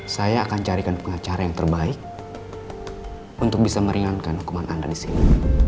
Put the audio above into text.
saya akan carikan pengacara yang terbaik untuk bisa meringankan hukuman anda di sini